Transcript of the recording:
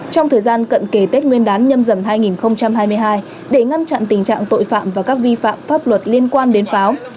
trong thời gian cận kề tết nguyên đán nhâm rầm hai nghìn hai mươi hai để ngăn chặn tình trạng tội phạm và các vi phạm pháp luật liên quan đến pháo